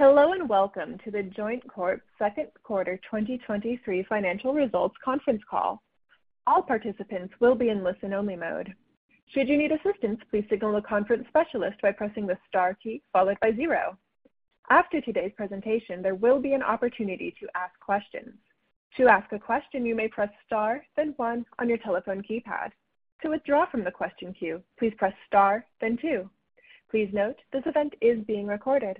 Hello, and welcome to The Joint Corp's Second Quarter 2023 Financial Results Conference Call. All participants will be in listen-only mode. Should you need assistance, please signal the conference specialist by pressing the star key followed by zero. After today's presentation, there will be an opportunity to ask questions. To ask a question, you may press star, then one on your telephone keypad. To withdraw from the question queue, please press star, then two. Please note, this event is being recorded.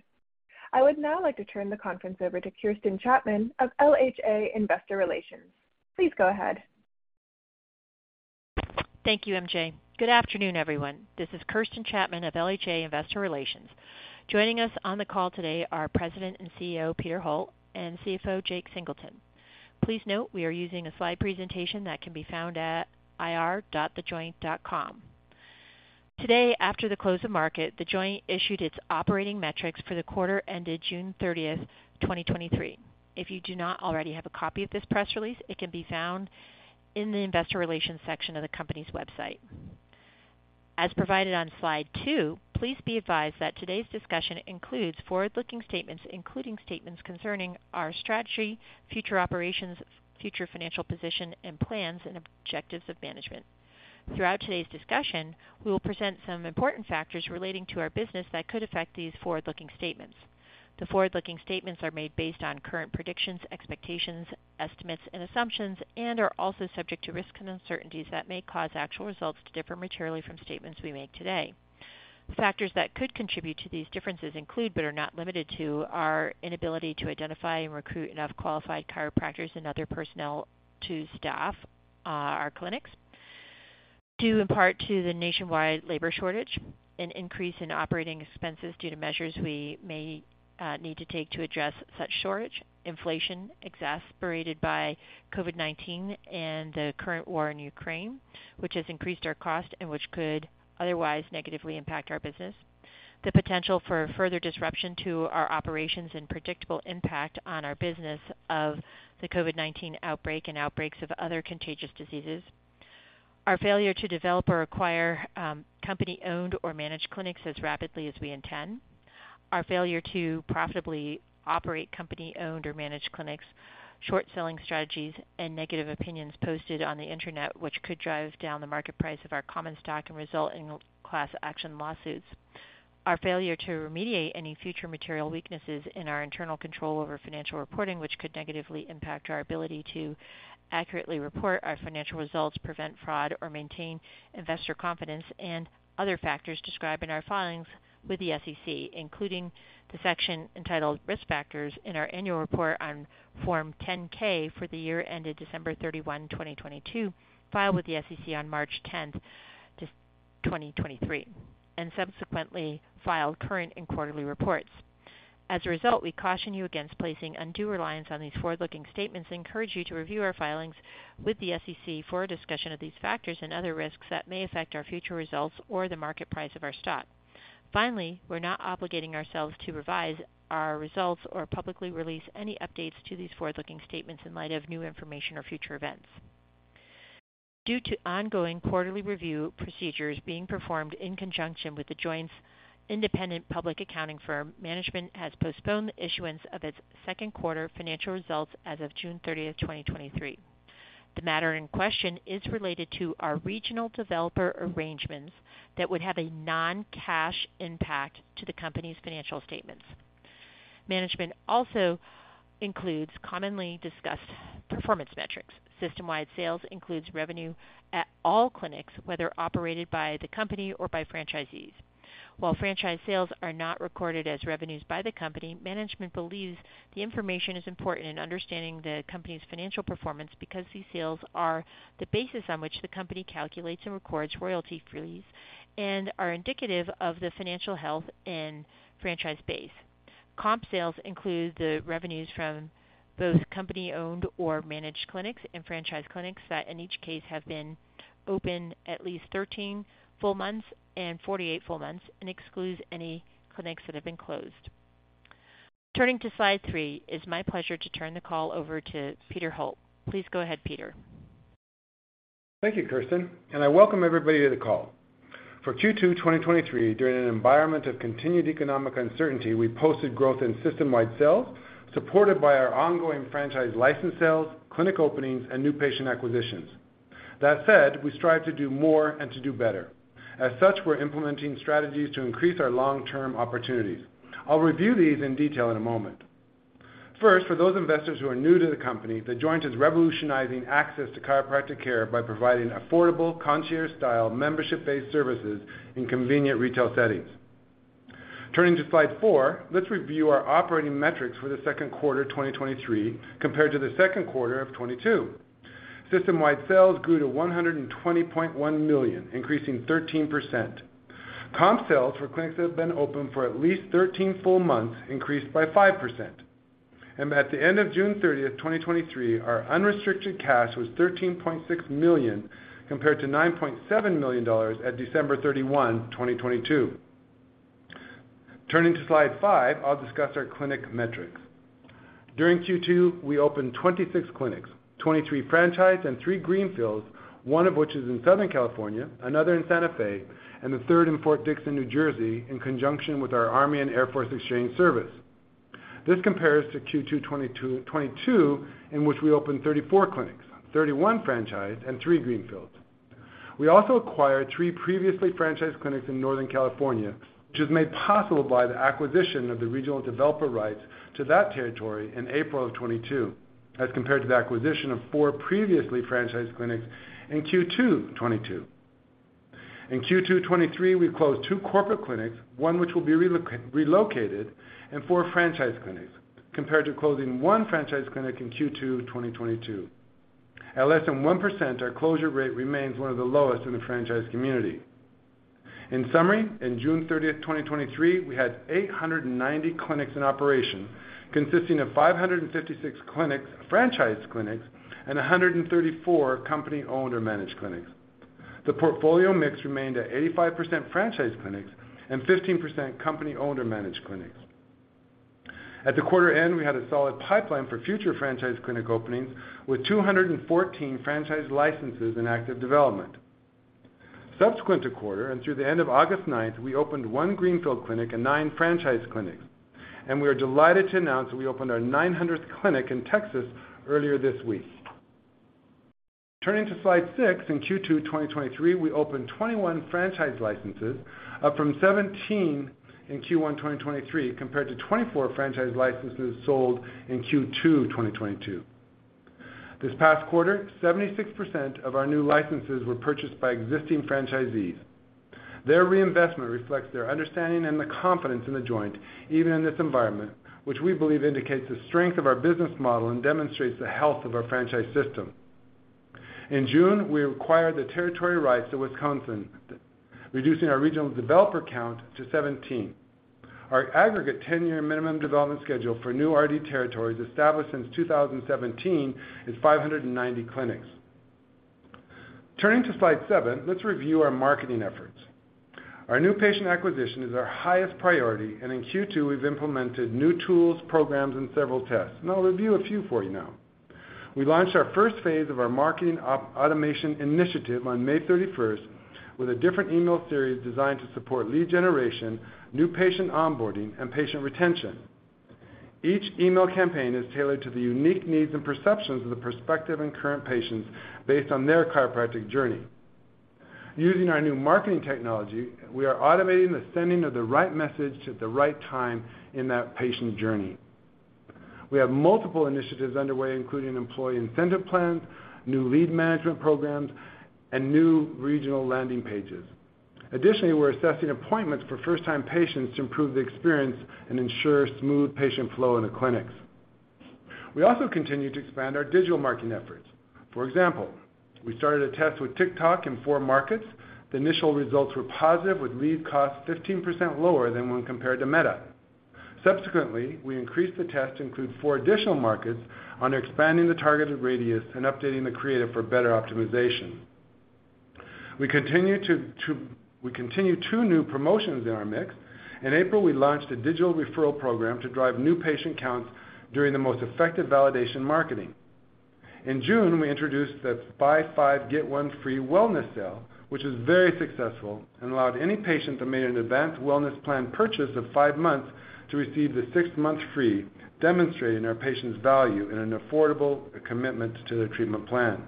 I would now like to turn the conference over to Kirsten Chapman of LHA Investor Relations. Please go ahead. Thank you, MJ. Good afternoon, everyone. This is Kirsten Chapman of LHA Investor Relations. Joining us on the call today are President and CEO, Peter Holt, and CFO, Jake Singleton. Please note, we are using a slide presentation that can be found at ir.thejoint.com. Today, after the close of market, The Joint issued its operating metrics for the quarter ended June 30th, 2023. If you do not already have a copy of this press release, it can be found in the Investor Relations section of the company's website. As provided on slide two, please be advised that today's discussion includes forward-looking statements, including statements concerning our strategy, future operations, future financial position, and plans and objectives of management. Throughout today's discussion, we will present some important factors relating to our business that could affect these forward-looking statements. The forward-looking statements are made based on current predictions, expectations, estimates, and assumptions, and are also subject to risks and uncertainties that may cause actual results to differ materially from statements we make today. The factors that could contribute to these differences include, but are not limited to, our inability to identify and recruit enough qualified chiropractors and other personnel to staff our clinics, due in part to the nationwide labor shortage, an increase in operating expenses due to measures we may need to take to address such shortage, inflation, exacerbated by COVID-19 and the current war in Ukraine, which has increased our cost and which could otherwise negatively impact our business. The potential for further disruption to our operations and predictable impact on our business of the COVID-19 outbreak and outbreaks of other contagious diseases. Our failure to develop or acquire, company-owned or managed clinics as rapidly as we intend. Our failure to profitably operate company-owned or managed clinics, short-selling strategies, and negative opinions posted on the Internet, which could drive down the market price of our common stock and result in class action lawsuits. Our failure to remediate any future material weaknesses in our internal control over financial reporting, which could negatively impact our ability to accurately report our financial results, prevent fraud, or maintain investor confidence, and other factors described in our filings with the SEC, including the section entitled Risk Factors in our Annual Report on Form 10-K for the year ended December 31, 2022, filed with the SEC on March 10, 2023, and subsequently filed current and quarterly reports. As a result, we caution you against placing undue reliance on these forward-looking statements and encourage you to review our filings with the SEC for a discussion of these factors and other risks that may affect our future results or the market price of our stock. Finally, we're not obligating ourselves to revise our results or publicly release any updates to these forward-looking statements in light of new information or future events. Due to ongoing quarterly review procedures being performed in conjunction with The Joint's independent public accounting firm, management has postponed the issuance of its second quarter financial results as of June 30th, 2023. The matter in question is related to our regional developer arrangements that would have a non-cash impact to the company's financial statements. Management also includes commonly discussed performance metrics. System-wide sales includes revenue at all clinics, whether operated by the company or by franchisees. While franchise sales are not recorded as revenues by the company, management believes the information is important in understanding the company's financial performance because these sales are the basis on which the company calculates and records royalty fees and are indicative of the financial health and franchise base. Comp sales include the revenues from both company-owned or managed clinics and franchise clinics that, in each case, have been open at least 13 full months and 48 full months and excludes any clinics that have been closed. Turning to slide 3, it's my pleasure to turn the call over to Peter Holt. Please go ahead, Peter. Thank you, Kirsten, and I welcome everybody to the call. For Q2 2023, during an environment of continued economic uncertainty, we posted growth in system-wide sales, supported by our ongoing franchise license sales, clinic openings, and new patient acquisitions. That said, we strive to do more and to do better. As such, we're implementing strategies to increase our long-term opportunities. I'll review these in detail in a moment. First, for those investors who are new to the company, The Joint is revolutionizing access to chiropractic care by providing affordable, concierge-style, membership-based services in convenient retail settings. Turning to slide 4, let's review our operating metrics for the second quarter 2023 compared to the second quarter of 2022. System-wide sales grew to $120.1 million, increasing 13%. Comp sales for clinics that have been open for at least 13 full months increased by 5%. At the end of June 30, 2023, our unrestricted cash was $13.6 million, compared to $9.7 million at December 31, 2022. Turning to slide 5, I'll discuss our clinic metrics. During Q2, we opened 26 clinics, 23 franchise, and 3 greenfields, one of which is in Southern California, another in Santa Fe, and the third in Fort Dix, New Jersey, in conjunction with our Army & Air Force Exchange Service. This compares to Q2 2022, in which we opened 34 clinics, 31 franchise, and 3 greenfields. We also acquired three previously franchised clinics in Northern California, which was made possible by the acquisition of the regional developer rights to that territory in April of 2022, as compared to the acquisition of four previously franchised clinics in Q2 2022. In Q2 2023, we closed two corporate clinics, one which will be relocated, and four franchise clinics, compared to closing one franchise clinic in Q2 2022. At less than 1%, our closure rate remains one of the lowest in the franchise community. In summary, in June 30th, 2023, we had 890 clinics in operation, consisting of 556 clinics, franchise clinics, and 134 company-owned or managed clinics. The portfolio mix remained at 85% franchise clinics and 15% company-owned or managed clinics. At the quarter end, we had a solid pipeline for future franchise clinic openings, with 214 franchise licenses in active development. Subsequent to quarter, through the end of August 9th, we opened one greenfield clinic and nine franchise clinics. We are delighted to announce that we opened our 900th clinic in Texas earlier this week. Turning to Slide 6, in Q2 2023, we opened 21 franchise licenses, up from 17 in Q1 2023, compared to 24 franchise licenses sold in Q2 2022. This past quarter, 76% of our new licenses were purchased by existing franchisees. Their reinvestment reflects their understanding and the confidence in The Joint, even in this environment, which we believe indicates the strength of our business model and demonstrates the health of our franchise system. In June, we acquired the territory rights to Wisconsin, reducing our regional developer count to 17. Our aggregate 10-year minimum development schedule for new RD territories established since 2017 is 590 clinics. Turning to Slide 7, let's review our marketing efforts. Our new patient acquisition is our highest priority, and in Q2, we've implemented new tools, programs, and several tests, and I'll review a few for you now. We launched our first phase of our marketing automation initiative on May 31st, with a different email series designed to support lead generation, new patient onboarding, and patient retention. Each email campaign is tailored to the unique needs and perceptions of the prospective and current patients based on their chiropractic journey. Using our new marketing technology, we are automating the sending of the right message at the right time in that patient journey. We have multiple initiatives underway, including employee incentive plans, new lead management programs, and new regional landing pages. Additionally, we're assessing appointments for first-time patients to improve the experience and ensure smooth patient flow in the clinics. We also continue to expand our digital marketing efforts. For example, we started a test with TikTok in four markets. The initial results were positive, with lead costs 15% lower than when compared to Meta. Subsequently, we increased the test to include four additional markets on expanding the targeted radius and updating the creative for better optimization. We continue two new promotions in our mix. In April, we launched a digital referral program to drive new patient counts during the most effective validation marketing. In June, we introduced the Buy 5, Get 1 Free wellness sale, which was very successful and allowed any patient that made an advanced wellness plan purchase of 5 months to receive the 6th month free, demonstrating our patients' value in an affordable commitment to their treatment plan.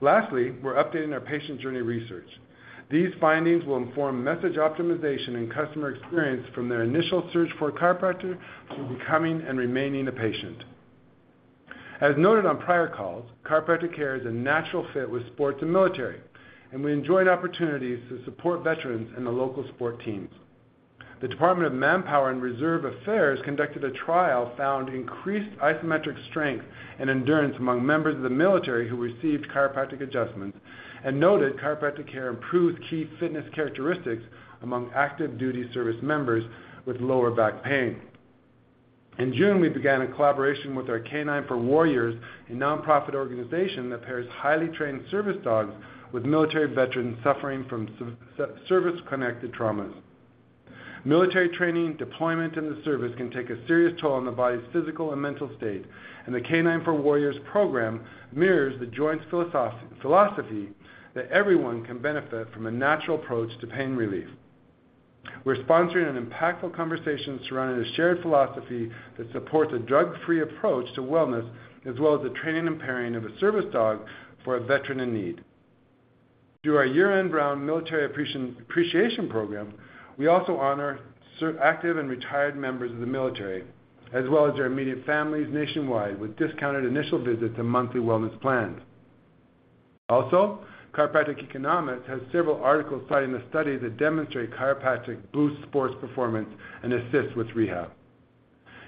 Lastly, we're updating our patient journey research. These findings will inform message optimization and customer experience from their initial search for a chiropractor to becoming and remaining a patient. As noted on prior calls, chiropractic care is a natural fit with sports and military, and we enjoyed opportunities to support veterans and the local sport teams. The Department of Manpower and Reserve Affairs conducted a trial found increased isometric strength and endurance among members of the military who received chiropractic adjustments and noted chiropractic care improved key fitness characteristics among active-duty service members with lower back pain. In June, we began a collaboration with K9s For Warriors, a nonprofit organization that pairs highly trained service dogs with military veterans suffering from service-connected traumas. Military training, deployment, and the service can take a serious toll on the body's physical and mental state, and the K9s For Warriors program mirrors The Joint's philosophy that everyone can benefit from a natural approach to pain relief. We're sponsoring an impactful conversation surrounded a shared philosophy that supports a drug-free approach to wellness, as well as the training and pairing of a service dog for a veteran in need. Through our year-round Military Appreciation Program, we also honor active and retired members of the military, as well as their immediate families nationwide, with discounted initial visits and monthly wellness plans. Also, Chiropractic Economics has several articles citing a study that demonstrate chiropractic boosts sports performance and assists with rehab.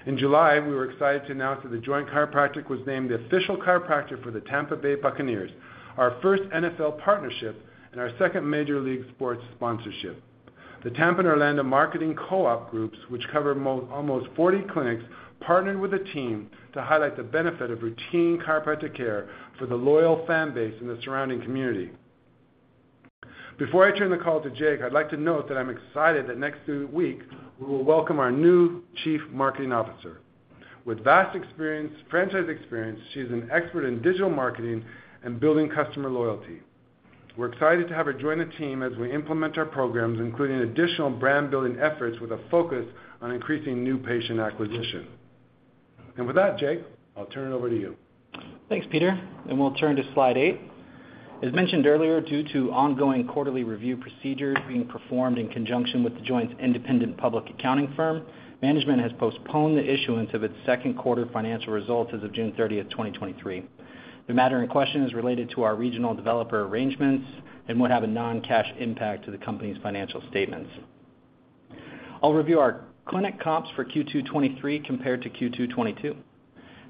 In July, we were excited to announce that The Joint Chiropractic was named the official chiropractor for the Tampa Bay Buccaneers, our first NFL partnership and our second Major League sports sponsorship. The Tampa and Orlando Marketing Co-op groups, which cover almost 40 clinics, partnered with the team to highlight the benefit of routine chiropractic care for the loyal fan base in the surrounding community. Before I turn the call to Jake, I'd like to note that I'm excited that next week, we will welcome our new Chief Marketing Officer. With vast experience, franchise experience, she's an expert in digital marketing and building customer loyalty. We're excited to have her join the team as we implement our programs, including additional brand-building efforts with a focus on increasing new patient acquisition. With that, Jake, I'll turn it over to you. Thanks, Peter, and we'll turn to slide 8. As mentioned earlier, due to ongoing quarterly review procedures being performed in conjunction with The Joint's independent public accounting firm, management has postponed the issuance of its second quarter financial results as of June 30, 2023. The matter in question is related to our regional developer arrangements and would have a non-cash impact to the company's financial statements. I'll review our clinic comps for Q2 2023 compared to Q2 2022.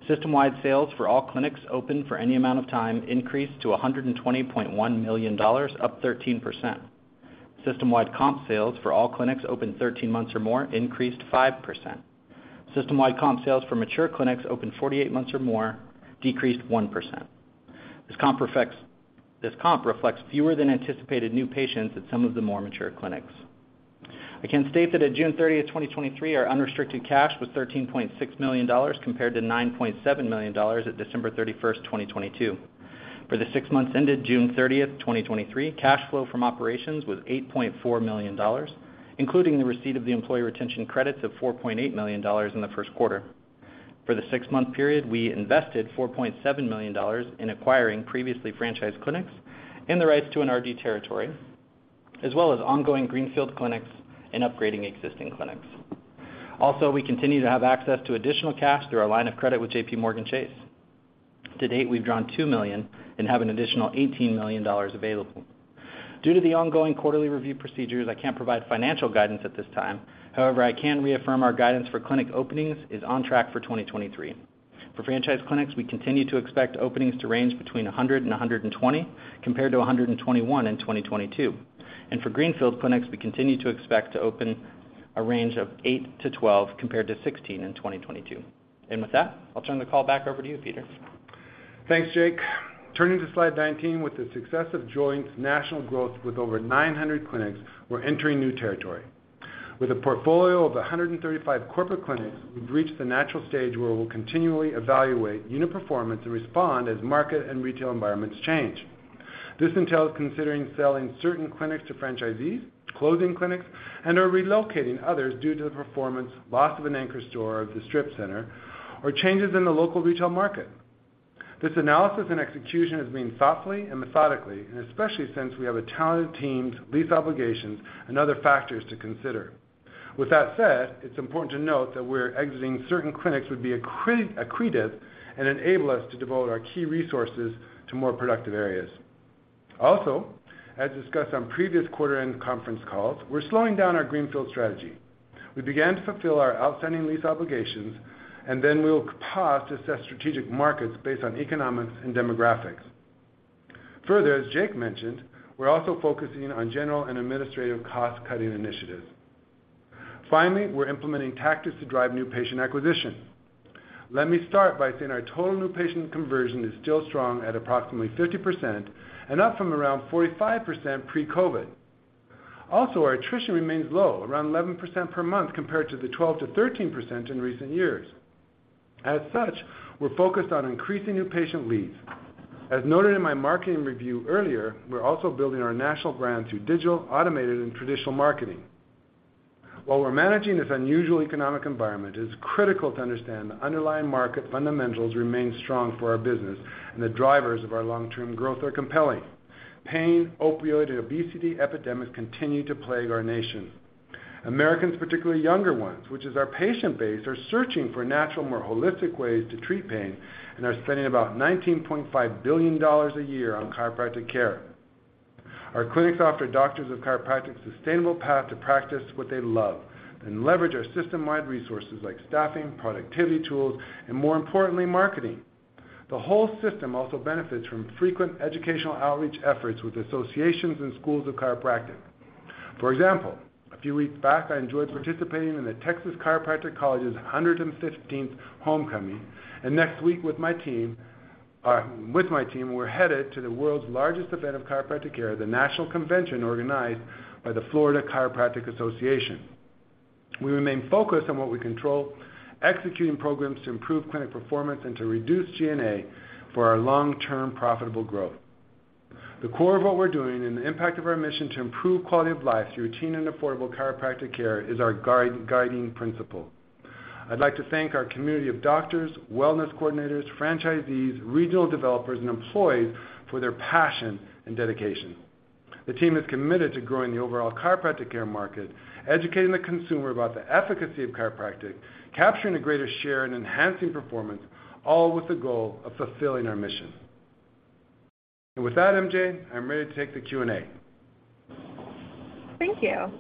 System-wide sales for all clinics open for any amount of time increased to $120.1 million, up 13%. System-wide comp sales for all clinics open 13 months or more increased 5%. System-wide comp sales for mature clinics open 48 months or more decreased 1%. This comp reflects fewer than anticipated new patients at some of the more mature clinics. I can state that at June 30, 2023, our unrestricted cash was $13.6 million, compared to $9.7 million at December 31, 2022. For the 6 months ended June 30, 2023, cash flow from operations was $8.4 million, including the receipt of the Employee Retention Credit of $4.8 million in the first quarter. For the 6-month period, we invested $4.7 million in acquiring previously franchised clinics and the rights to an RD territory, as well as ongoing greenfield clinics and upgrading existing clinics. We also continue to have access to additional cash through our line of credit with JPMorgan Chase. To date, we've drawn $2 million and have an additional $18 million available. Due to the ongoing quarterly review procedures, I can't provide financial guidance at this time. However, I can reaffirm our guidance for clinic openings is on track for 2023. For franchise clinics, we continue to expect openings to range between 100 and 120, compared to 121 in 2022. For greenfield clinics, we continue to expect to open a range of 8 to 12, compared to 16 in 2022. With that, I'll turn the call back over to you, Peter. Thanks, Jake. Turning to slide 19, with the success of Joint's national growth with over 900 clinics, we're entering new territory. With a portfolio of 135 corporate clinics, we've reached the natural stage where we'll continually evaluate unit performance and respond as market and retail environments change. This entails considering selling certain clinics to franchisees, closing clinics, and/or relocating others due to the performance, loss of an anchor store of the strip center, or changes in the local retail market. This analysis and execution is being thoughtfully and methodically, and especially since we have a talented team, lease obligations, and other factors to consider. With that said, it's important to note that we're exiting certain clinics would be accretive and enable us to devote our key resources to more productive areas. As discussed on previous quarter-end conference calls, we're slowing down our greenfield strategy. We began to fulfill our outstanding lease obligations, and then we'll pause to assess strategic markets based on economics and demographics. Further, as Jake mentioned, we're also focusing on general and administrative cost-cutting initiatives. Finally, we're implementing tactics to drive new patient acquisition. Let me start by saying our total new patient conversion is still strong at approximately 50% and up from around 45% pre-COVID. Also, our attrition remains low, around 11% per month, compared to the 12%-13% in recent years. As such, we're focused on increasing new patient leads. As noted in my marketing review earlier, we're also building our national brand through digital, automated, and traditional marketing. While we're managing this unusual economic environment, it's critical to understand the underlying market fundamentals remain strong for our business, and the drivers of our long-term growth are compelling. Pain, opioid, and obesity epidemics continue to plague our nation. Americans, particularly younger ones, which is our patient base, are searching for natural, more holistic ways to treat pain and are spending about $19.5 billion a year on chiropractic care. Our clinics offer doctors of chiropractic sustainable path to practice what they love and leverage our system-wide resources like staffing, productivity tools, and more importantly, marketing. The whole system also benefits from frequent educational outreach efforts with associations and schools of chiropractic. For example, a few weeks back, I enjoyed participating in the Texas Chiropractic College's 115th homecoming, and next week with my team, we're headed to the world's largest event of chiropractic care, the national convention organized by the Florida Chiropractic Association. We remain focused on what we control, executing programs to improve clinic performance and to reduce G&A for our long-term profitable growth. The core of what we're doing and the impact of our mission to improve quality of life through routine and affordable chiropractic care is our guiding principle. I'd like to thank our community of doctors, wellness coordinators, franchisees, regional developers, and employees for their passion and dedication. The team is committed to growing the overall chiropractic care market, educating the consumer about the efficacy of chiropractic, capturing a greater share and enhancing performance, all with the goal of fulfilling our mission. With that, MJ, I'm ready to take the Q&A. Thank you.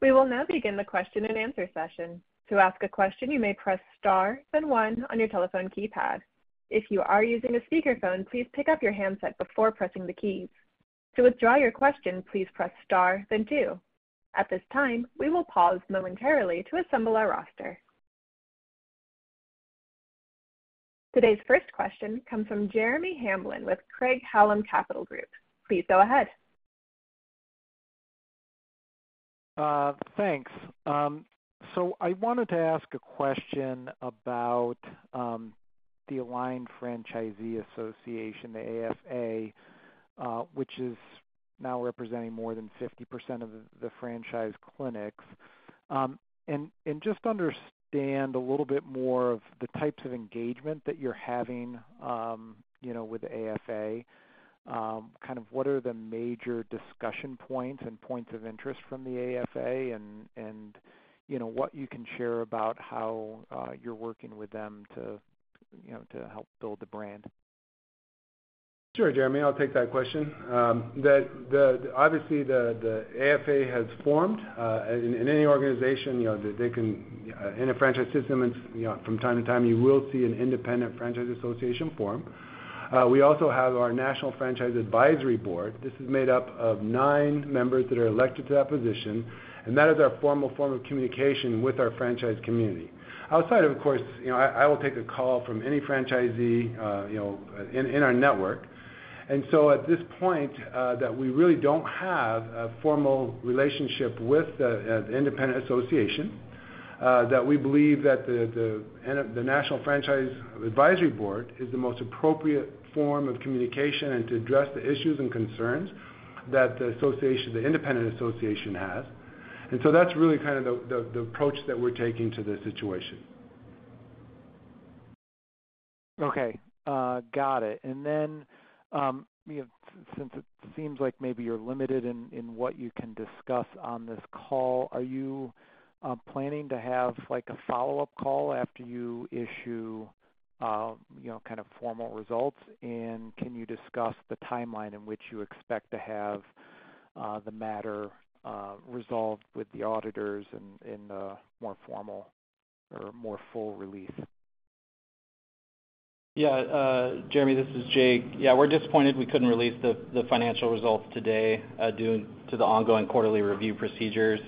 We will now begin the question-and-answer session. To ask a question, you may press star, then one on your telephone keypad. If you are using a speakerphone, please pick up your handset before pressing the keys. To withdraw your question, please press star, then two. At this time, we will pause momentarily to assemble our roster. Today's first question comes from Jeremy Hamblin with Craig-Hallum Capital Group. Please go ahead. Thanks. I wanted to ask a question about the Aligned Franchisee Association, the AFA, which is now representing more than 50% of the franchise clinics. Just to understand a little bit more of the types of engagement that you're having, you know, with AFA. Kind of what are the major discussion points and points of interest from the AFA, and, you know, what you can share about how you're working with them to, you know, to help build the brand? Sure, Jeremy, I'll take that question. Obviously, the AFA has formed, in any organization, you know, they, they can, in a franchise system, and, you know, from time to time, you will see an independent franchise association form. We also have our National Franchise Advisory Board. This is made up of nine members that are elected to that position, and that is our formal form of communication with our franchise community. Outside of course, you know, I, I will take a call from any franchisee, you know, in our network. At this point, that we really don't have a formal relationship with the independent association, that we believe that the National Franchise Advisory Board is the most appropriate form of communication and to address the issues and concerns that the association, the independent association has. That's really kind of the approach that we're taking to this situation. Okay, got it. Then, you know, since it seems like maybe you're limited in what you can discuss on this call, are you planning to have, like, a follow-up call after you issue, you know, kind of formal results? Can you discuss the timeline in which you expect to have the matter resolved with the auditors in a more formal or more full release? Yeah, Jeremy, this is Jake. Yeah, we're disappointed we couldn't release the, the financial results today, due to the ongoing quarterly review procedures.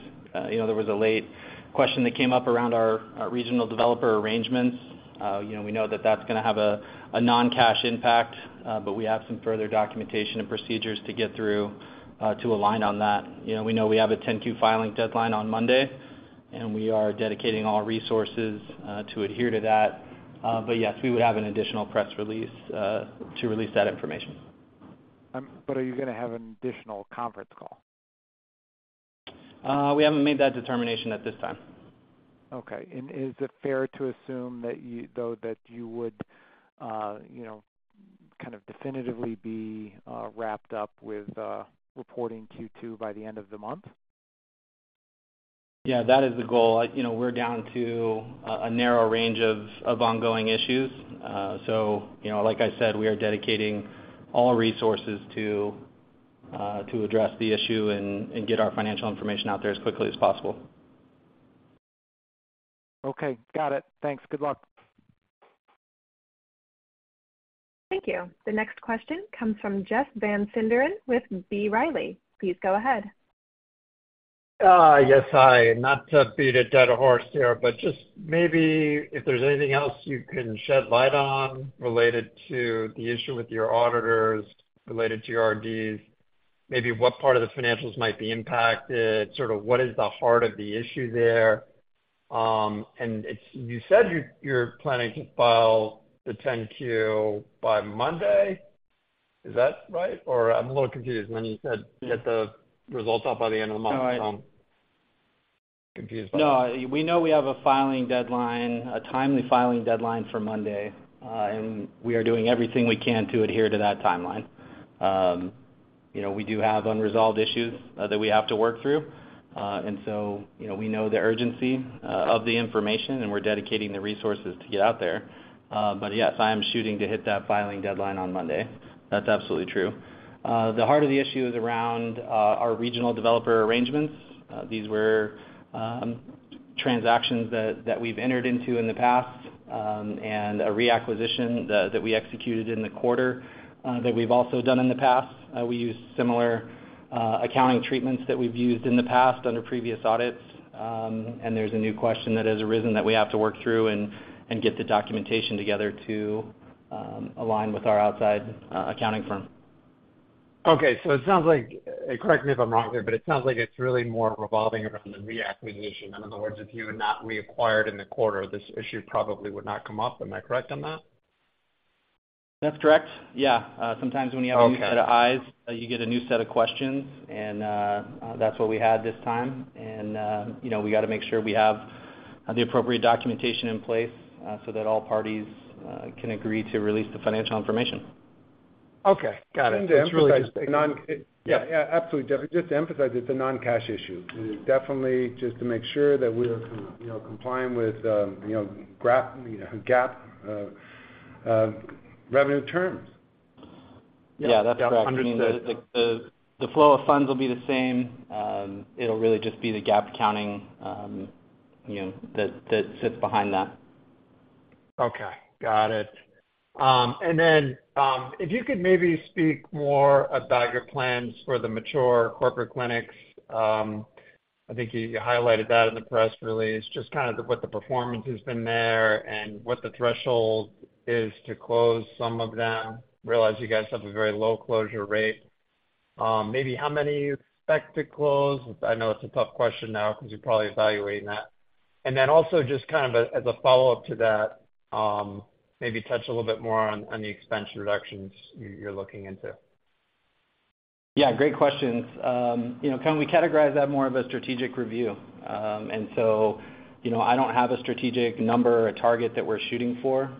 You know, there was a late question that came up around our regional developer arrangements. You know, we know that that's gonna have a, a non-cash impact, but we have some further documentation and procedures to get through, to align on that. You know, we know we have a 10-Q filing deadline on Monday, and we are dedicating all resources to adhere to that. Yes, we would have an additional press release to release that information. Are you gonna have an additional conference call? We haven't made that determination at this time. Okay. is it fair to assume that though, that you would, you know, kind of definitively be, wrapped up with, reporting Q2 by the end of the month? Yeah, that is the goal. You know, we're down to a narrow range of ongoing issues. You know, like I said, we are dedicating all resources to address the issue and get our financial information out there as quickly as possible. Okay, got it. Thanks. Good luck. Thank you. The next question comes from Jeff Van Sinderen with B. Riley. Please go ahead. Yes, hi. Not to beat a dead horse here, but just maybe if there's anything else you can shed light on related to the issue with your auditors, related to your RDs, maybe what part of the financials might be impacted, sort of what is the heart of the issue there? You said you're planning to file the 10-Q by Monday. Is that right? I'm a little confused when you said you'd get the results out by the end of the month, confused about. No, we know we have a filing deadline, a timely filing deadline for Monday, and we are doing everything we can to adhere to that timeline. You know, we do have unresolved issues that we have to work through. So, you know, we know the urgency of the information, and we're dedicating the resources to get out there. Yes, I am shooting to hit that filing deadline on Monday. That's absolutely true. The heart of the issue is around our regional developer arrangements. These were transactions that, that we've entered into in the past, and a reacquisition that we executed in the quarter, that we've also done in the past. We used similar accounting treatments that we've used in the past under previous audits. There's a new question that has arisen that we have to work through and get the documentation together to align with our outside accounting firm. Okay, it sounds like, and correct me if I'm wrong here, but it sounds like it's really more revolving around the reacquisition. In other words, if you had not reacquired in the quarter, this issue probably would not come up. Am I correct on that? That's correct. Yeah. Sometimes when you have a new set of eyes, you get a new set of questions, and that's what we had this time. You know, we got to make sure we have the appropriate documentation in place so that all parties can agree to release the financial information. Okay, got it. Just to emphasize the non-- Yeah, yeah, absolutely, Jeff. Just to emphasize, it's a non-cash issue. It is definitely just to make sure that we're, you know, complying with, you know, GAAP revenue terms. Yeah, that's correct. 100%. The flow of funds will be the same. It'll really just be the GAAP accounting, you know, that sits behind that. Okay, got it. If you could maybe speak more about your plans for the mature corporate clinics? I think you highlighted that in the press release, just kind of the, what the performance has been there and what the threshold is to close some of them. Realize you guys have a very low closure rate. Maybe how many you expect to close? I know it's a tough question now, because you're probably evaluating that. As a follow-up to that, maybe touch a little bit more on the expense reductions you're looking into. Yeah, great questions. you know, can we categorize that more of a strategic review. So, you know, I don't have a strategic number or target that we're shooting for.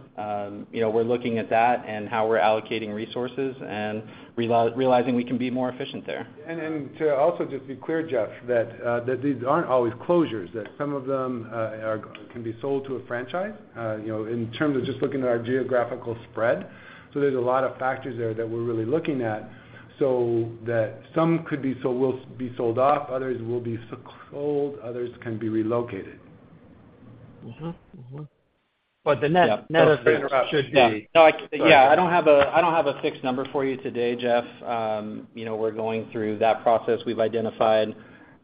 you know, we're looking at that and how we're allocating resources and realizing we can be more efficient there. To also just be clear, Jeff, that, that these aren't always closures, that some of them, are, can be sold to a franchise, you know, in terms of just looking at our geographical spread. There's a lot of factors there that we're really looking at, so that some could be sold, will be sold off, others will be sold, others can be relocated. Mm-hmm, mm-hmm. But the net, net should be- Yeah. No, I... Yeah, I don't have a, I don't have a fixed number for you today, Jeff. You know, we're going through that process. We've identified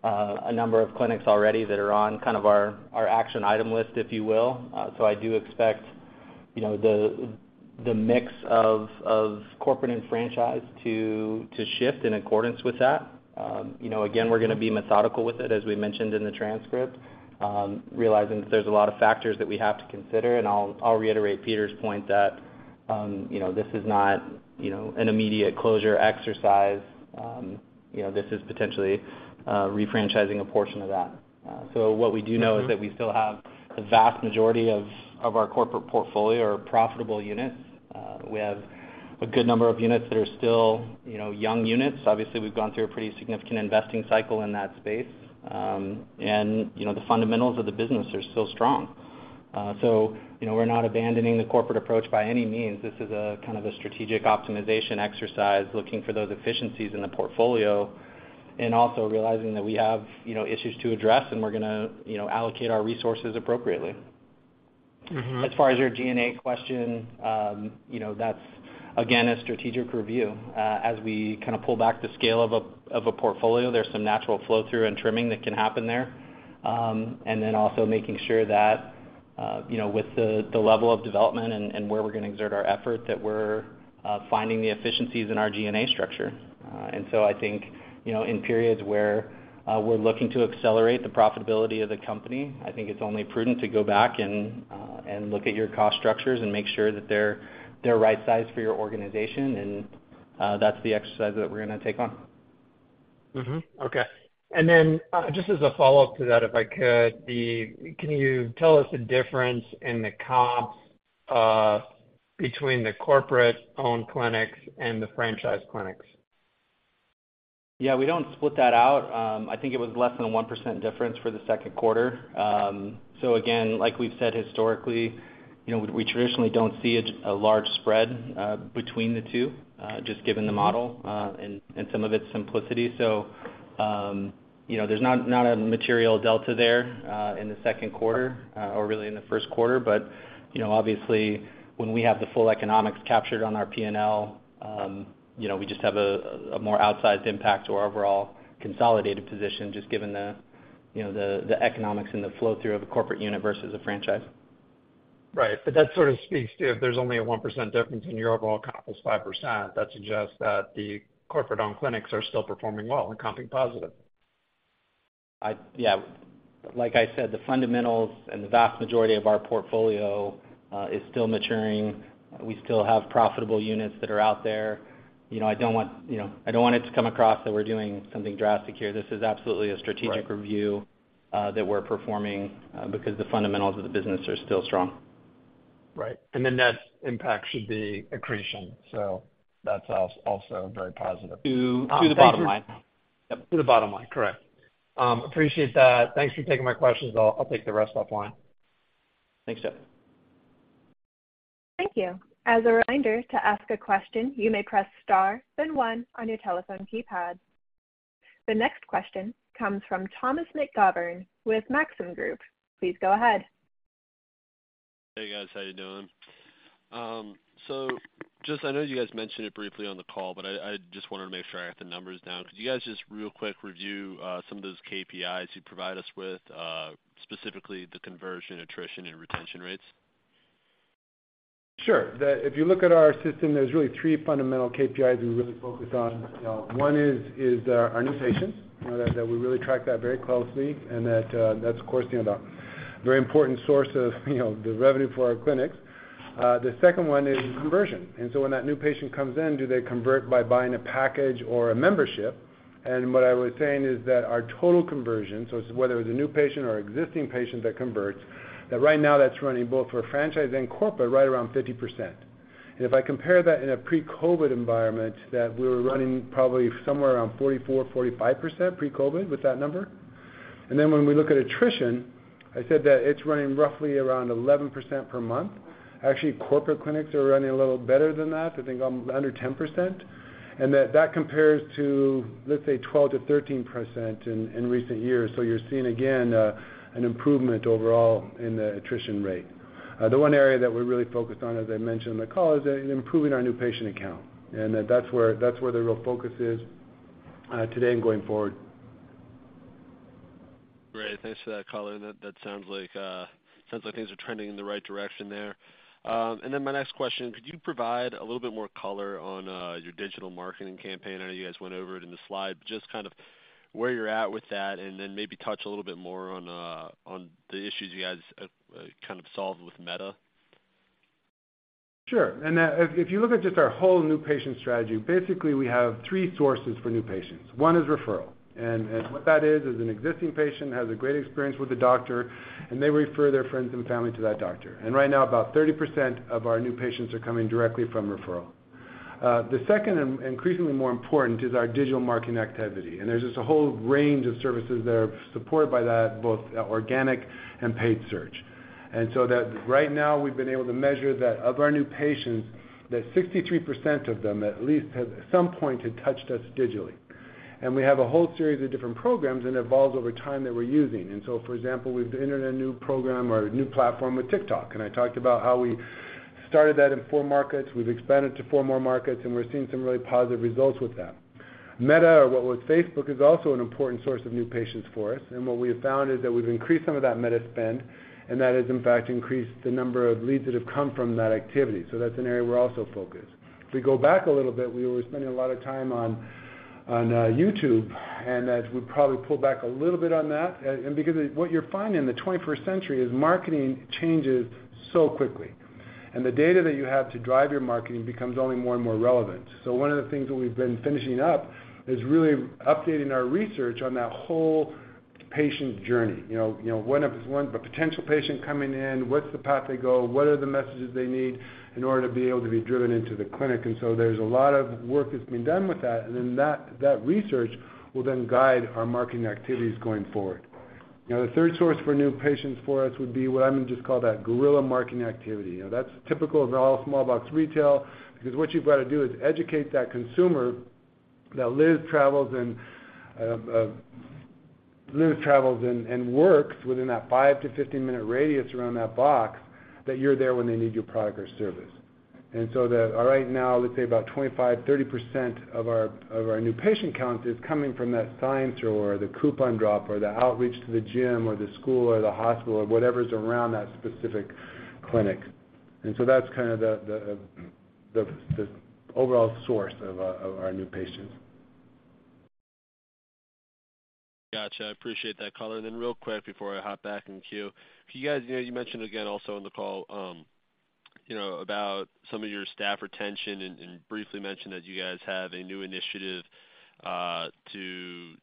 a number of clinics already that are on kind of our action item list, if you will. I do expect, you know, the mix of corporate and franchise to shift in accordance with that. You know, again, we're gonna be methodical with it, as we mentioned in the transcript, realizing that there's a lot of factors that we have to consider. I'll reiterate Peter's point that, you know, this is not, you know, an immediate closure exercise. You know, this is potentially refranchising a portion of that. What we do know is that we still have the vast majority of, of our corporate portfolio are profitable units. We have a good number of units that are still, you know, young units. Obviously, we've gone through a pretty significant investing cycle in that space. You know, the fundamentals of the business are still strong. You know, we're not abandoning the corporate approach by any means. This is a kind of a strategic optimization exercise, looking for those efficiencies in the portfolio, and also realizing that we have, you know, issues to address, and we're gonna, you know, allocate our resources appropriately. Mm-hmm. As far as your G&A question, you know, that's again, a strategic review. As we kind of pull back the scale of a portfolio, there's some natural flow-through and trimming that can happen there. Then also making sure that, you know, with the level of development and, and where we're going to exert our effort, that we're finding the efficiencies in our G&A structure. So I think, you know, in periods where we're looking to accelerate the profitability of the company, I think it's only prudent to go back and look at your cost structures and make sure that they're right-sized for your organization, and that's the exercise that we're gonna take on. Okay. Just as a follow-up to that, if I could, can you tell us the difference in the comps between the corporate-owned clinics and the franchise clinics? Yeah, we don't split that out. I think it was less than a 1% difference for the second quarter. So again, like we've said historically, you know, we, we traditionally don't see a large spread between the two, just given the model and some of its simplicity. So, you know, there's not a material delta there in the second quarter or really in the first quarter. But, you know, obviously, when we have the full economics captured on our P&L, you know, we just have a more outsized impact to our overall consolidated position, just given, you know, the economics and the flow-through of a corporate unit versus a franchise. Right. That sort of speaks to, if there's only a 1% difference in your overall comp is 5%, that suggests that the corporate-owned clinics are still performing well and comping positive. Yeah. Like I said, the fundamentals and the vast majority of our portfolio is still maturing. We still have profitable units that are out there. You know, I don't want, you know, I don't want it to come across that we're doing something drastic here. This is absolutely a strategic review, that we're performing, because the fundamentals of the business are still strong. Right. The net impact should be accretion, that's also very positive. To the bottom line. Yep, to the bottom line. Correct. Appreciate that. Thanks for taking my questions. I'll, I'll take the rest offline. Thanks, Jeff. Thank you. As a reminder, to ask a question, you may press Star, then One on your telephone keypad. The next question comes from Thomas McGovern with Maxim Group. Please go ahead. Hey, guys. How you doing? Just, I know you guys mentioned it briefly on the call, but I, I just wanted to make sure I got the numbers down. Could you guys just real quick review some of those KPIs you provided us with specifically the conversion, attrition, and retention rates? Sure. If you look at our system, there's really three fundamental KPIs we really focus on. One is our new patients, that we really track that very closely, and that's, of course, you know, the very important source of, you know, the revenue for our clinics. The second one is conversion. So when that new patient comes in, do they convert by buying a package or a membership? What I was saying is that our total conversion, so it's whether it's a new patient or existing patient that converts, that right now that's running both for franchise and corporate, right around 50%. If I compare that in a pre-COVID environment, that we were running probably somewhere around 44%-45% pre-COVID with that number. Then when we look at attrition, I said that it's running roughly around 11% per month. Actually, corporate clinics are running a little better than that. I think, under 10%, and that, that compares to, let's say, 12%-13% in recent years. You're seeing, again, an improvement overall in the attrition rate. The one area that we're really focused on, as I mentioned in the call, is, improving our new patient account, and that's where the real focus is, today and going forward. Great. Thanks for that color. That, that sounds like, sounds like things are trending in the right direction there. My next question: Could you provide a little bit more color on your digital marketing campaign? I know you guys went over it in the slide. Just kind of where you're at with that, and then maybe touch a little bit more on the issues you guys kind of solved with Meta. Sure. If, if you look at just our whole new patient strategy, basically, we have three sources for new patients. One is referral, and what that is, is an existing patient has a great experience with the doctor, and they refer their friends and family to that doctor. Right now, about 30% of our new patients are coming directly from referral. The second, and increasingly more important, is our digital marketing activity, and there's just a whole range of services that are supported by that, both organic and paid search. So that right now, we've been able to measure that of our new patients, that 63% of them at least at some point, have touched us digitally. We have a whole series of different programs, and it evolves over time, that we're using. So, for example, we've entered a new program or a new platform with TikTok, and I talked about how we started that in four markets. We've expanded to four more markets, and we're seeing some really positive results with that. Meta, or what was Facebook, is also an important source of new patients for us, and what we have found is that we've increased some of that Meta spend, and that has in fact increased the number of leads that have come from that activity. That's an area we're also focused. If we go back a little bit, we were spending a lot of time on YouTube. As we probably pulled back a little bit on that, because what you're finding in the 21st century is marketing changes so quickly, the data that you have to drive your marketing becomes only more and more relevant. One of the things that we've been finishing up is really updating our research on that whole patient journey. You know, when a potential patient coming in, what's the path they go? What are the messages they need in order to be able to be driven into the clinic? There's a lot of work that's been done with that, and then that research will then guide our marketing activities going forward. The third source for new patients for us would be what I'm gonna just call that guerrilla marketing activity. You know, that's typical of all small box retail, because what you've got to do is educate that consumer that lives, travels, and works within that 5-15-minute radius around that box, that you're there when they need your product or service. Right now, let's say about 25%, 30% of our new patient count is coming from that sign throw or the coupon drop or the outreach to the gym or the school or the hospital or whatever's around that specific clinic. That's kind of the overall source of our new patients. Gotcha. I appreciate that color. Then real quick, before I hop back in the queue. You guys, you know, you mentioned again also on the call, you know, about some of your staff retention and, and briefly mentioned that you guys have a new initiative, to, you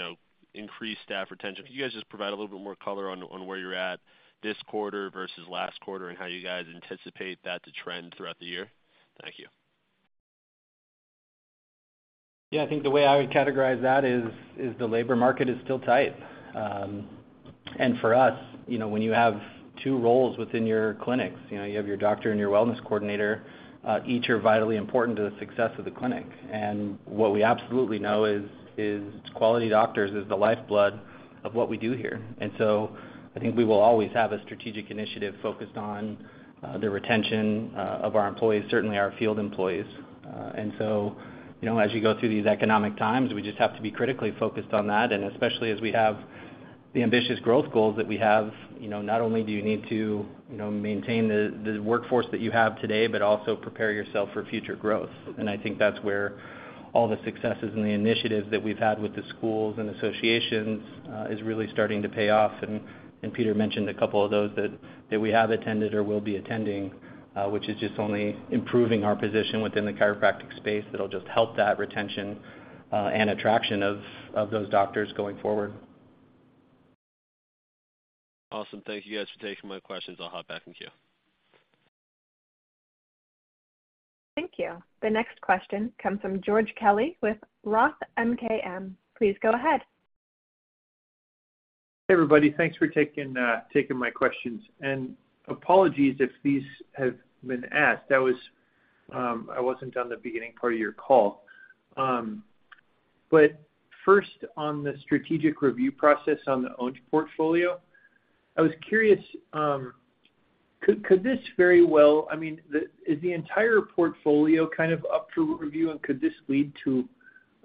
know, increase staff retention. Could you guys just provide a little bit more color on, on where you're at this quarter versus last quarter, and how you guys anticipate that to trend throughout the year? Thank you. Yeah, I think the way I would categorize that is the labor market is still tight. For us, you know, when you have two roles within your clinics, you know, you have your doctor and your wellness coordinator, each are vitally important to the success of the clinic. What we absolutely know is quality doctors is the lifeblood of what we do here. I think we will always have a strategic initiative focused on the retention of our employees, certainly our field employees. So, you know, as you go through these economic times, we just have to be critically focused on that, and especially as we have the ambitious growth goals that we have, you know, not only do you need to, you know, maintain the, the workforce that you have today, but also prepare yourself for future growth. I think that's where all the successes and the initiatives that we've had with the schools and associations, is really starting to pay off. Peter mentioned a couple of those that, that we have attended or will be attending, which is just only improving our position within the chiropractic space. That'll just help that retention, and attraction of those doctors going forward. Awesome. Thank you guys for taking my questions. I'll hop back in queue. Thank you. The next question comes from George Kelly with ROTH MKM. Please go ahead. Hey, everybody. Thanks for taking my questions. Apologies if these have been asked. That was, I wasn't on the beginning part of your call. First, on the strategic review process on the owned portfolio, I was curious, could, could this very well, I mean, is the entire portfolio kind of up for review, and could this lead to,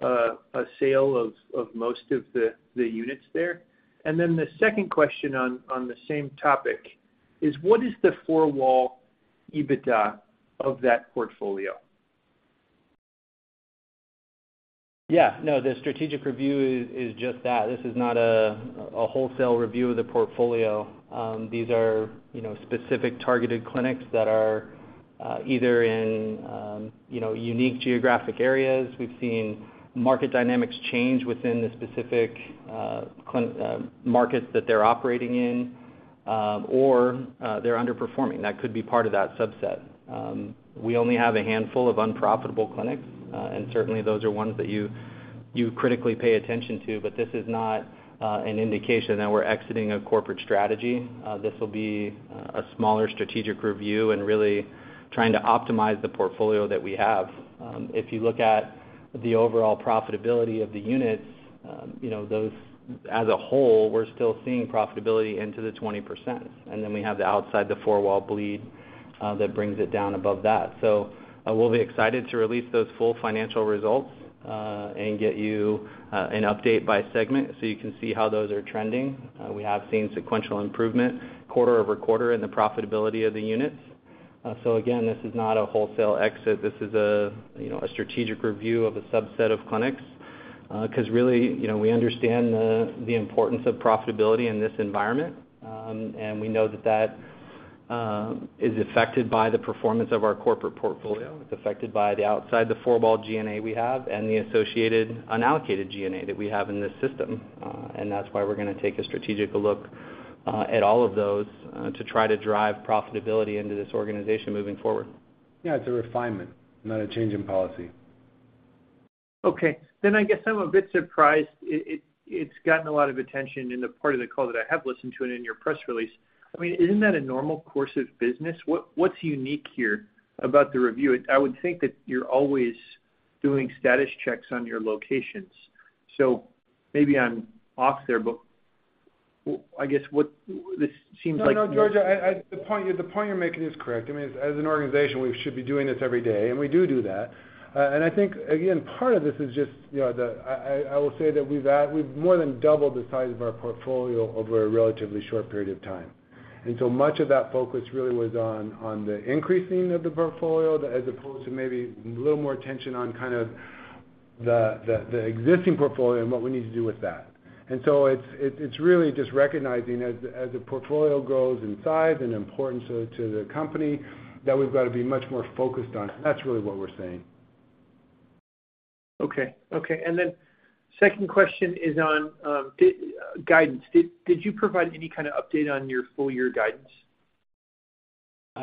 a sale of, of most of the, the units there? Then the second question on, on the same topic is, what is the four-wall EBITDA of that portfolio? Yeah. No, the strategic review is, is just that. This is not a wholesale review of the portfolio. These are, you know, specific targeted clinics that are, either in, you know, unique geographic areas. We've seen market dynamics change within the specific, markets that they're operating in, or, they're underperforming. That could be part of that subset. We only have a handful of unprofitable clinics, and certainly, those are ones that you, you critically pay attention to. This is not, an indication that we're exiting a corporate strategy. This will be, a smaller strategic review and really trying to optimize the portfolio that we have. If you look at the overall profitability of the units, you know, those as a whole, we're still seeing profitability into the 20%, and then we have the outside, the four-wall bleed, that brings it down above that. We'll be excited to release those full financial results, and get you an update by segment, so you can see how those are trending. We have seen sequential improvement quarter-over-quarter in the profitability of the units. Again, this is not a wholesale exit. This is a, you know, a strategic review of a subset of clinics, 'cause really, you know, we understand the importance of profitability in this environment, and we know that, that, is affected by the performance of our corporate portfolio. It's affected by the outside the four-wall G&A we have and the associated unallocated G&A that we have in this system, and that's why we're gonna take a strategic look, at all of those, to try to drive profitability into this organization moving forward. Yeah, it's a refinement, not a change in policy. Okay, then I guess I'm a bit surprised. It's gotten a lot of attention in the part of the call that I have listened to and in your press release. I mean, isn't that a normal course of business? What's unique here about the review? I would think that you're always doing status checks on your locations. Maybe I'm off there, but I guess, what this seems like-- No, no, George, The point, the point you're making is correct. I mean, as an organization, we should be doing this every day, and we do do that. I think, again, part of this is just, you know, I will say that we've we've more than doubled the size of our portfolio over a relatively short period of time. So much of that focus really was on the increasing of the portfolio, as opposed to maybe a little more attention on kind of the, the existing portfolio and what we need to do with that. So it's, it's really just recognizing as, as the portfolio grows in size and importance to, to the company, that we've got to be much more focused on. That's really what we're saying. Okay. Okay, and then second question is on the guidance. Did you provide any kind of update on your full year guidance?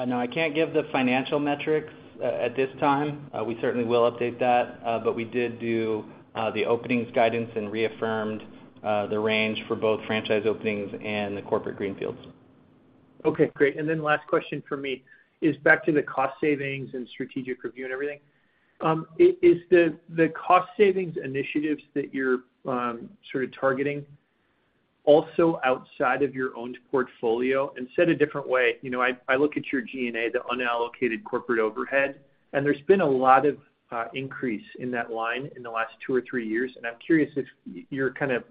No, I can't give the financial metrics at this time. We certainly will update that, but we did do the openings guidance and reaffirmed the range for both franchise openings and the corporate greenfields. Okay, great. Last question for me is back to the cost savings and strategic review and everything. Is the cost savings initiatives that you're sort of targeting also outside of your own portfolio? Said a different way, you know, I, I look at your G&A, the unallocated corporate overhead, and there's been a lot of increase in that line in the last two or three years, and I'm curious if you're kind of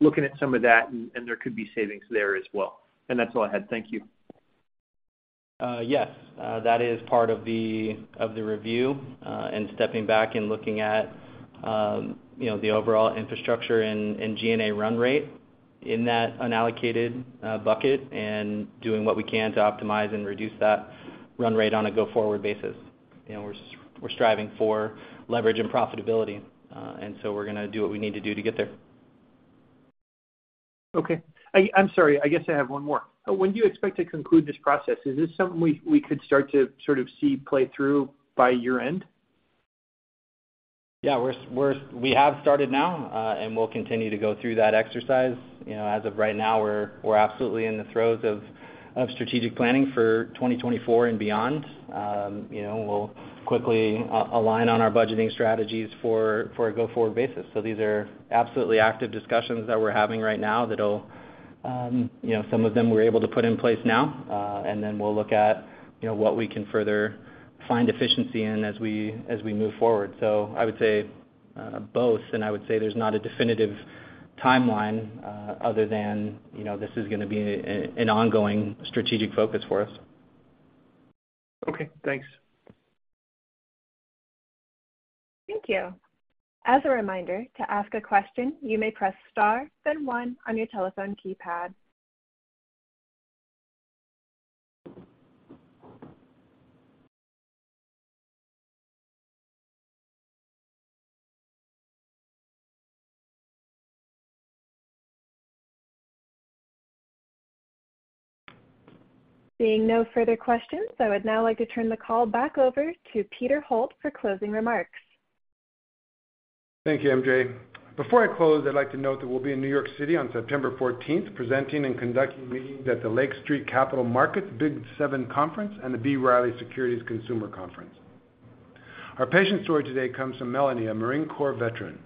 looking at some of that, and there could be savings there as well. That's all I had. Thank you. Yes, that is part of the review, and stepping back and looking at, you know, the overall infrastructure and, and G&A run rate in that unallocated bucket and doing what we can to optimize and reduce that run rate on a go-forward basis. You know, we're striving for leverage and profitability, so we're gonna do what we need to do to get there. Okay. I'm sorry, I guess I have one more. When do you expect to conclude this process? Is this something we could start to sort of see play through by year-end? Yeah, We have started now, and we'll continue to go through that exercise. You know, as of right now, we're absolutely in the throes of strategic planning for 2024 and beyond. You know, we'll quickly align on our budgeting strategies for a go-forward basis. These are absolutely active discussions that we're having right now that'll, you know, some of them we're able to put in place now, and then we'll look at, you know, what we can further find efficiency in as we move forward. I would say both, and I would say there's not a definitive timeline, other than, you know, this is gonna be an ongoing strategic focus for us. Okay. Thanks. Thank you. As a reminder, to ask a question, you may press Star, then one on your telephone keypad. Seeing no further questions, I would now like to turn the call back over to Peter Holt for closing remarks. Thank you, MJ. Before I close, I'd like to note that we'll be in New York City on September 14th, presenting and conducting meetings at the Lake Street Capital Markets' Big 7 Conference and the B. Riley Securities Consumer Conference. Our patient story today comes from Melanie, a Marine Corps veteran.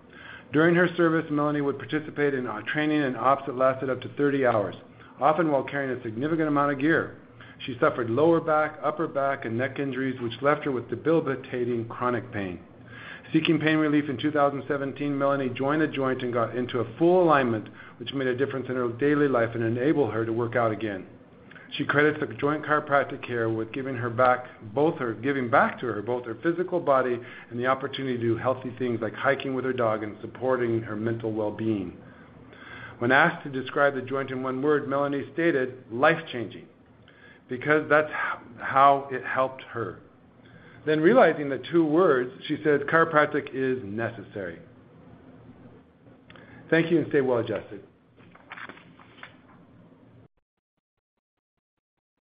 During her service, Melanie would participate in training and ops that lasted up to 30 hours, often while carrying a significant amount of gear. She suffered lower back, upper back, and neck injuries, which left her with debilitating chronic pain. Seeking pain relief in 2017, Melanie joined The Joint and got into a full alignment, which made a difference in her daily life and enabled her to work out again. She credits The Joint chiropractic care with giving back to her, both her physical body and the opportunity to do healthy things, like hiking with her dog and supporting her mental well-being. When asked to describe The Joint in one word, Melanie stated, "Life-changing," because that's how it helped her. Realizing the two words, she said: "Chiropractic is necessary." Thank you, and stay well adjusted.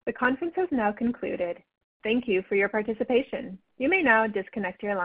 The conference has now concluded. Thank you for your participation. You may now disconnect your line.